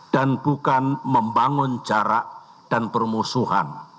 dan bukan membangun jarak dan permusuhan